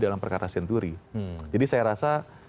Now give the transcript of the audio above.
dalam perkara senturi jadi saya rasa